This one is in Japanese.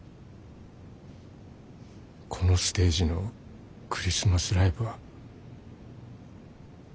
このステージのクリスマスライブは。